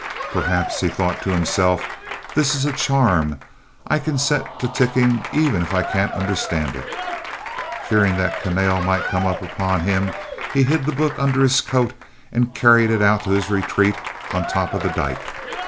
"Perhaps," he thought to himself, "this is a charm I can set to ticking even if I can't understand it." Fearing that Kahnale might come upon him, he hid the book under his coat and carried it out to his retreat on top of the dyke.